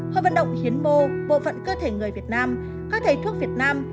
hội vận động hiến mô bộ phận cơ thể người việt nam các thầy thuốc việt nam